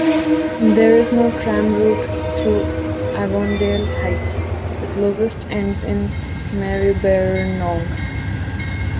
There is no tram route through Avondale Heights - the closest ends in Maribyrnong.